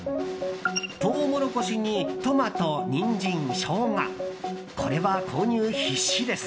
トウモロコシにトマト、ニンジン、ショウガこれは、購入必至です。